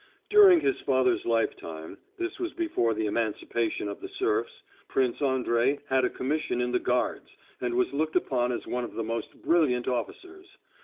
During his father's lifetime this was before the emancipation of the serfs Prince Andrey had a commission in the Guards, and was looked upon as one of the most brilliant officers.